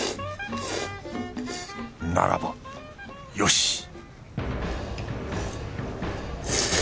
ならばよし